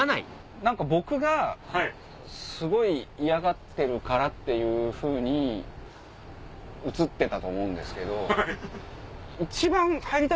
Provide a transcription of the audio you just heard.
僕がすごい嫌がってるからっていうふうに映ってたと思うんですけど。